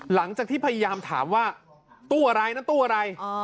หลังจากที่พยายามถามว่าตู้อะไรนั้นตู้อะไร